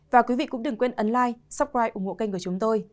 và quý vị cũng đừng quên ấn like subscribe ủng hộ kênh của chúng tôi